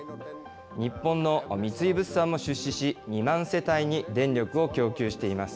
日本の三井物産も出資し、２万世帯に電力を供給しています。